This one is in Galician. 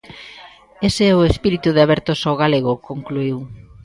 "Ese é o espírito de Abertos ao Galego", concluíu.